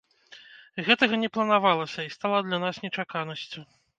Гэтага не планавалася і стала для нас нечаканасцю.